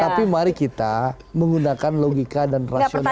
tapi mari kita menggunakan logika dan rasional